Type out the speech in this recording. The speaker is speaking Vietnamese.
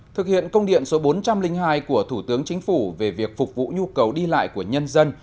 thực hiện công điện số bốn trăm linh hai của thủ tướng chính phủ về việc phục vụ nhu cầu đi lại của nhân dân